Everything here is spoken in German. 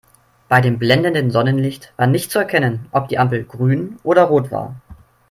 Bei dem blendenden Sonnenlicht war nicht zu erkennen, ob die Ampel grün oder rot war.